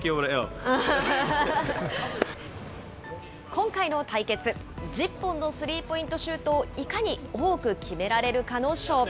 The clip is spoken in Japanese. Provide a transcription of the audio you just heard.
今回の対決、１０本のスリーポイントシュートを、いかに多く決められるかの勝負。